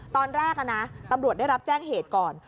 ตอนแรกนะตำรวจได้รับแจ้งเหตุก่อน